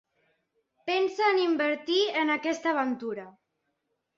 Pensa en invertir en aquesta aventura.